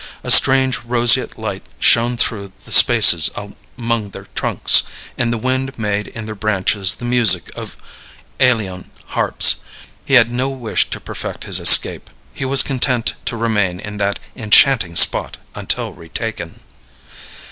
A strange, roseate light shone through the spaces among their trunks, and the wind made in their branches the music of eolian harps. He had no wish to perfect his escape, he was content to remain in that enchanting spot until retaken.